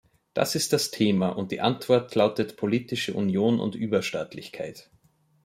Das ist das Thema, und die Antwort lautet politische Union und Überstaatlichkeit.